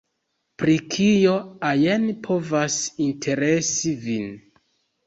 Pri kio ajn povas interesi vin.